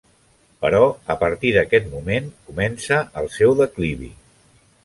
Però, a partir d'aquest moment, comença el seu declivi.